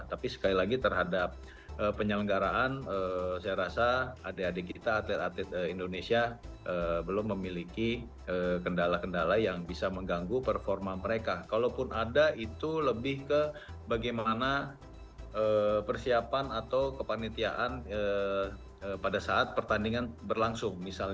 tapi sekali lagi terhadap penyelenggaraan saya rasa adik adik kita atlet atlet indonesia belum memiliki kendala kendala yang bisa mengganggu